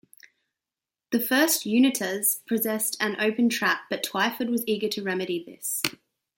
The first Unitas possessed an open trap but Twyford was eager to remedy this.